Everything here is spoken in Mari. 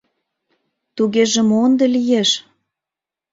Тугеже мо ынде лиеш?